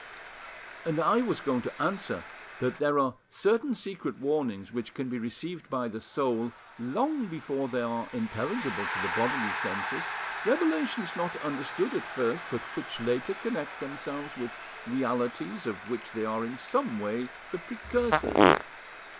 "And I was going to answer that there are certain secret warnings which can be received by the soul long before they are intelligible to the bodily senses revelations not understood at first, but which later connect themselves with realities of which they are in some way the precursors.